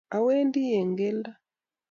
Awendi eng' geldo.